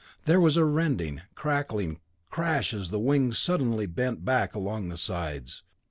There was a rending, crackling crash as the wings suddenly bent back along the sides.